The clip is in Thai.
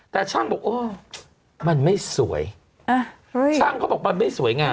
แต่ช่างบอกโอ้มันไม่สวยช่างเขาบอกมันไม่สวยงาม